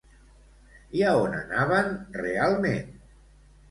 I a on anaven realment?